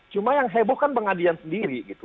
cuma yang heboh kan bang adian sendiri gitu